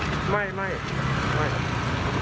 จริงไหมพี่ไม่